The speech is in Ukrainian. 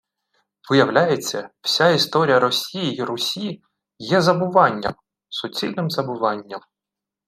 Виявляється, вся історія Росії й Русі є забуванням! Суцільним забуванням